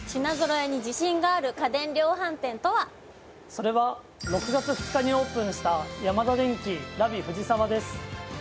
それは６月２日にオープンしたヤマダデンキＬＡＢＩ藤沢です。